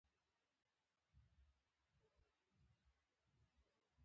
د پروژو افتتاح او نه تکمیلول فریب دی.